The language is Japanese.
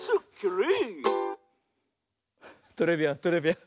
トレビアントレビアン。